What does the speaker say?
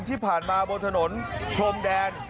ที่ผ่านมาบนถนนพรมแดน